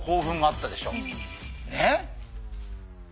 ねっ。